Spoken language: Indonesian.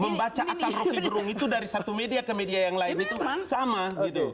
membaca akal rocky gerung itu dari satu media ke media yang lain itu sama gitu